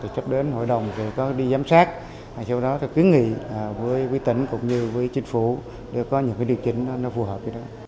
chấp đến hội đồng về có đi giám sát sau đó kế nghị với quý tỉnh cũng như với chính phủ để có những điều chỉnh nó phù hợp